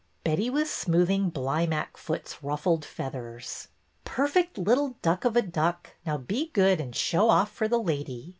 Betty was smoothing Blymackfoot's ruffled feathers. Perfect little duck of a duck, now be good and show off for the lady.